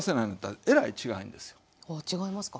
あ違いますか。